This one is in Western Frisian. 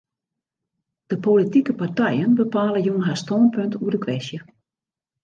De politike partijen bepale jûn har stânpunt oer de kwestje.